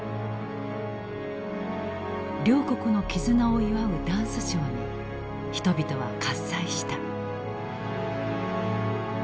両国の絆を祝うダンスショーに人々は喝采した。